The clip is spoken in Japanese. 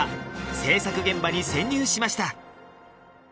制作現場に潜入しました